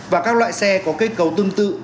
và các loại xe có kết cấu tương tự